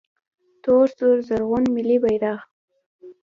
🇦🇫 تور سور زرغون ملي بیرغ